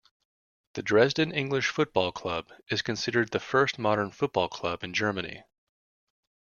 The Dresden English Football Club is considered the first modern football club in Germany.